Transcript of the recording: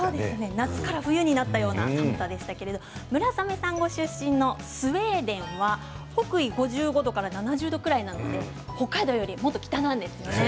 夏から冬になったような寒さでしたけれども村雨さん出身のスウェーデンは北緯５５度から７０度くらいなので北海道よりももっと北なんですね。